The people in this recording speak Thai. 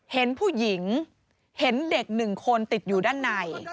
เห็นผู้หญิงเห็นเด็ก๑คนติดอยู่ด้านใน